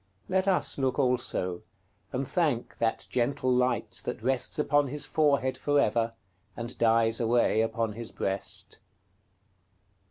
Let us look also, and thank that gentle light that rests upon his forehead for ever, and dies away upon his breast.